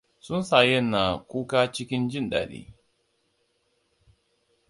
Tsuntsayen na kuka cikin jin daɗi.